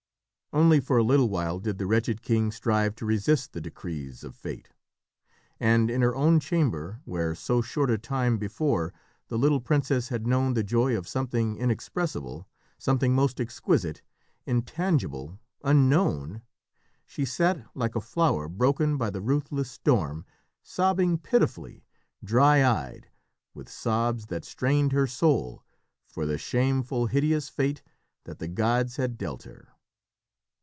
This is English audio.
Only for a little while did the wretched king strive to resist the decrees of fate. And in her own chamber, where so short a time before the little princess had known the joy of something inexpressible something most exquisite intangible unknown she sat, like a flower broken by the ruthless storm, sobbing pitifully, dry eyed, with sobs that strained her soul, for the shameful, hideous fate that the gods had dealt her.